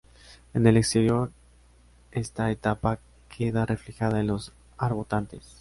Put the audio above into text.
En el exterior, esta etapa queda reflejada en los arbotantes.